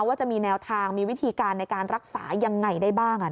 ว่าจะมีแนวทางมีวิธีการในการรักษายังไงได้บ้าง